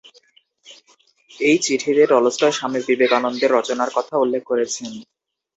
এই চিঠিতে টলস্টয় স্বামী বিবেকানন্দের রচনার কথা উল্লেখ করেছেন।